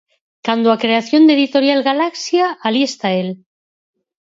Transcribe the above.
Cando a creación da Editorial Galaxia, alí está el.